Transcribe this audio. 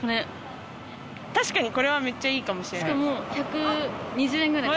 確かに、これはめっちゃいいかもしれない。